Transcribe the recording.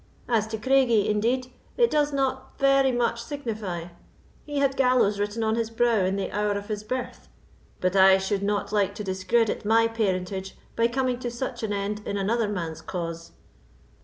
As to Craigie, indeed, it does not very much signify: he had gallows written on his brow in the hour of his birth; but I should not like to discredit my parentage by coming to such an end in another man's cause."